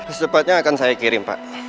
secepatnya akan saya kirim pak